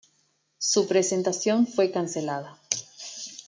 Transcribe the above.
Su presentación fue cancelada.